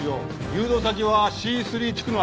誘導先はＣ３地区のアパート。